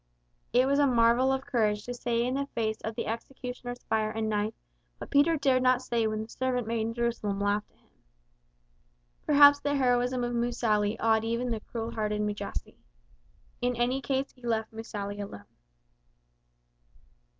It was a marvel of courage to say in the face of the executioner's fire and knife what Peter dared not say when the servant maid in Jerusalem laughed at him. Perhaps the heroism of Musali awed even the cruel hearted Mujasi. In any case he left Musali alone.